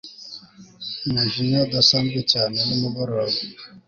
umujinya udasanzwe cyane nimugoroba